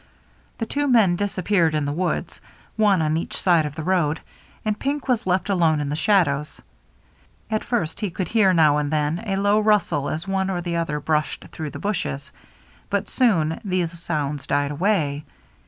The two men disappeared in the woods, one WHISKEY JIM 357 on each side of the road, and Pink was left alone in the shadows. At first he could hear nov/ and then a low rustle as one or the other brushed through the bushes, but soon these sounds died away.